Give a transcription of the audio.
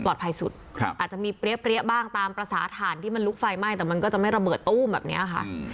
ปลอดภัยสุดครับอาจจะมีเปรี้ยบเปรี้ยบ้างตามประสาทฐานที่มันลุกไฟไหม้แต่มันก็จะไม่ระเบิดตู้มแบบเนี้ยค่ะอืม